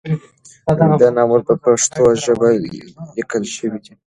دا ناول په پښتو ژبه لیکل شوی دی.